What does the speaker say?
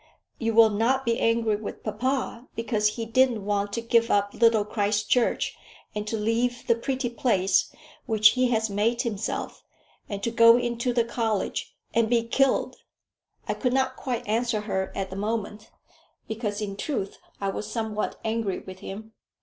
You will not be angry with papa because he didn't want to give up Little Christchurch, and to leave the pretty place which he has made himself, and to go into the college, and be killed!" I could not quite answer her at the moment, because in truth I was somewhat angry with him.